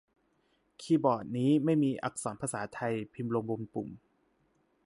คีย์บอร์ดนี้ไม่มีอักษรภาษาไทยพิมพ์ลงบนปุ่ม